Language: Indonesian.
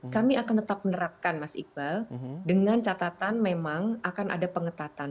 kami akan tetap menerapkan mas iqbal dengan catatan memang akan ada pengetatan